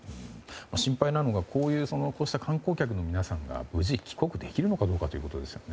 心配なのがこうした観光客の皆さんが無事、帰国できるのかどうかということですよね。